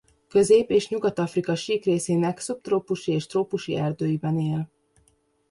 Közép- és Nyugat-Afrika sík részének szubtrópusi és trópusi erdőiben él.